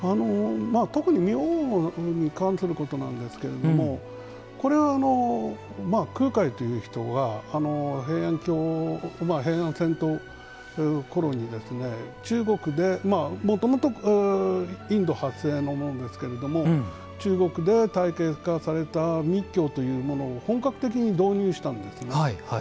特に明王に関することなんですけれどもこれは空海という人が平安遷都ごろにもともとインド発生のものですけれども中国で体系化された密教というものを本格的に導入したんですね。